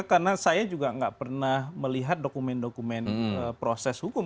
karena saya juga nggak pernah melihat dokumen dokumen proses hukum